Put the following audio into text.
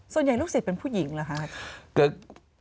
ส่วนใหญ่ลูกศิษย์เป็นผู้หญิงเหรอครับ